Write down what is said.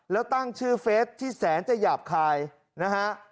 แล้วตั้งชื่อเฟสที่แสนจะหยาบคายนะฮะ